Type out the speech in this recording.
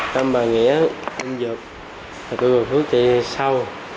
nam bà nghĩa anh giựt tụi bà phước thì sau